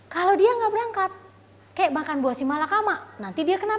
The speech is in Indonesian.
kalau dia gak berangkat kayak makan buah si malakama nanti dia kenapa napa